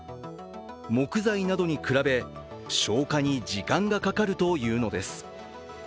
木材などに比べ、消火に時間がかかるというのです。